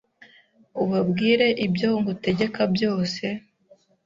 ubabwire ibyo ngutegeka byose,